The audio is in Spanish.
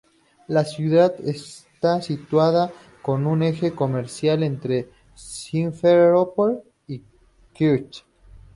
La ciudad está situada en un eje comercial entre Simferópol y Kerch.